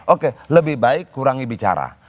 oke lebih baik kurangi bicara